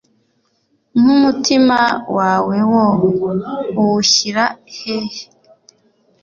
Nk'umutima wawe wo uwushyira hehe?